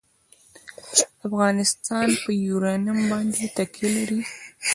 افغانستان په یورانیم باندې تکیه لري.